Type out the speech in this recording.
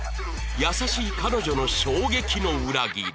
優しい彼女の衝撃の裏切り